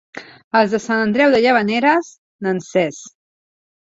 Els de Sant Andreu de Llavaneres, nansers.